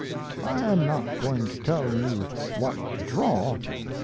I am not going to tell you what to draw.